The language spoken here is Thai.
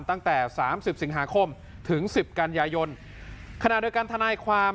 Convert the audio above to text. ตั้งแต่สามสิบสิงหาคมถึงสิบกันยายนขณะโดยการทนายความ